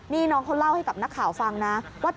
นี่น้องเขาเล่าให้กับนักข่าวฟังนะว่า